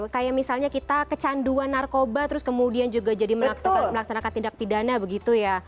kayak misalnya kita kecanduan narkoba terus kemudian juga jadi melaksanakan tindak pidana begitu ya